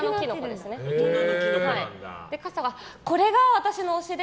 で、これが私の推しで。